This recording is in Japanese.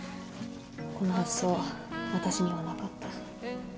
この発想私にはなかった。